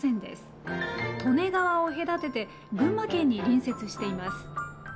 利根川を隔てて群馬県に隣接しています。